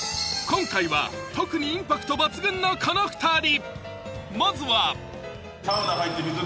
今回は特にインパクト抜群のこの２人！